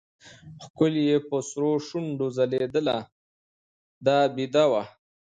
ښکل يې په سرو شونډو ځلېدله دا بېده وه.